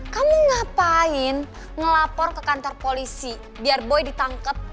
kamu ngapain ngelapor ke kantor polisi biar boy ditangkap